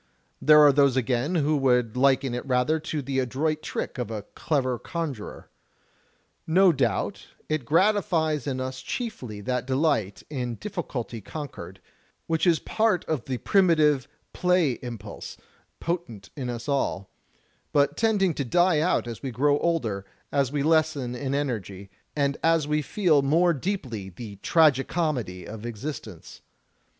There are those again who would liken it rather to the adroit trick of a clever conjurer. No doubt, it gratifies in us chiefly that delight in difficulty con quered, which is a part of the primitive play impulse potent in us all, but tending to die out as we grow older, as we lessen in energy, and as we feel more deeply the tragi comedy of existence.